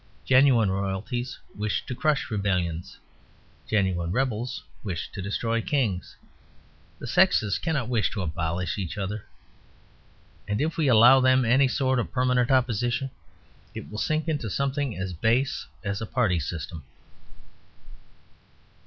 Genuine royalties wish to crush rebellions. Genuine rebels wish to destroy kings. The sexes cannot wish to abolish each other; and if we allow them any sort of permanent opposition it will sink into something as base as a party system.